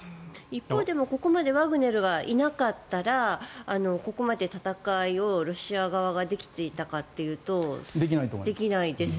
一方、ここまでワグネルがいなかったらここまで戦いをロシア側ができていたかというとできないですよね。